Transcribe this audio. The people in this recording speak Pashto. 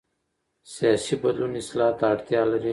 سیاسي بدلون اصلاح ته اړتیا لري